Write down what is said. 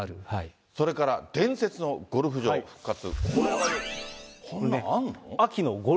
それから伝説のゴルフ場復活。